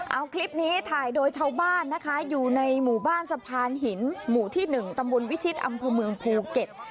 เอาคลิปนี้ถ่ายโดยชาวบ้านนะคะอยู่ในหมู่บ้านสะพานหินหมู่ที่๑ตำบลวิชิตอำเภอเมืองภูเก็ต